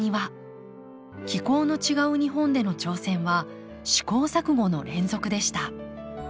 気候の違う日本での挑戦は試行錯誤の連続でした。